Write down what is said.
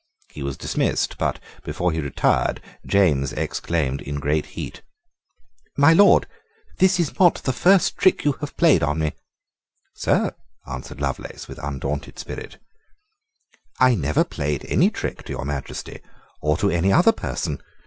He was dismissed; but, before he retired, James exclaimed in great heat, "My Lord, this is not the first trick that you have played me." "Sir," answered Lovelace, with undaunted spirit, "I never played any trick to your Majesty, or to any other person.